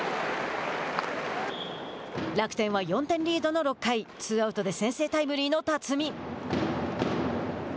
楽天は４点リードの６回ツーアウトで先制タイムリーの辰己。